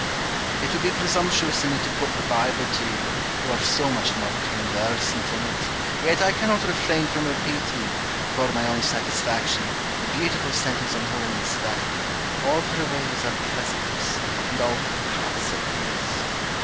It would be presumptuous in me to quote the Bible to you, who are so much more conversant in it ; yet I cannot refrain from repeating, for my own satisfaction, the beauti ful sentence on holiness ; that "all her ways are pleasantness, and all her paths are peace."